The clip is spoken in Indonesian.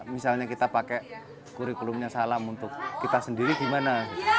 misalnya kita pakai kurikulumnya salam untuk kita sendiri gimana